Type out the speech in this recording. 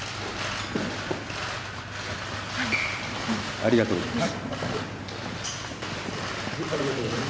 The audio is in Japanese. ありがとうございます。